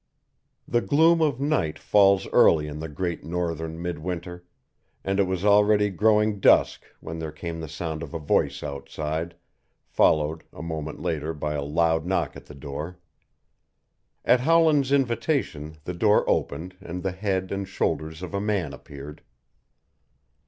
The gloom of night falls early in the great northern mid winter, and it was already growing dusk when there came the sound of a voice outside, followed a moment later by a loud knock at the door. At Howland's invitation the door opened and the head and shoulders of a man appeared.